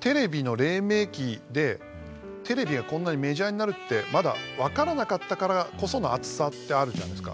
テレビの黎明期でテレビがこんなにメジャーになるってまだ分からなかったからこその熱さってあるじゃないですか。